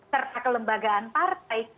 serta kelembagaan partai